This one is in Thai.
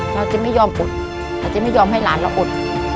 เราจะไม่ยอมอดเราจะไม่ยอมให้หลานเราอด